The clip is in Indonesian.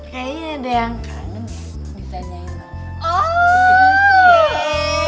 kayaknya ada yang kanan ya